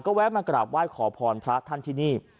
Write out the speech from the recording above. แวะมากราบไหว้ขอพรพระท่านที่นี่